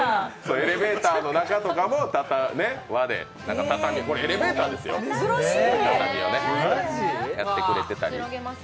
エレベーターの中とかも和で、これエレベーターですよ、畳をやってくれてたり。